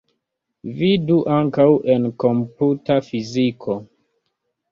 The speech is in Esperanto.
Vidu ankaŭ en komputa fiziko.